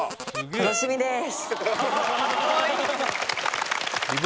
楽しみです